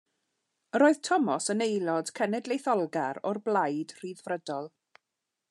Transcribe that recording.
Yr oedd Thomas yn aelod cenedlaetholgar o'r Blaid Ryddfrydol.